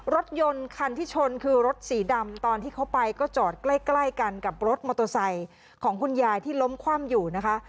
รถยนต์คันที่ชนคือรถสีดำตอนที่เขาไปก็จอดใกล้กันกับรถมอเตอร์ไซค์ของคุณยายที่ล้มคว่ำอยู่นะคะ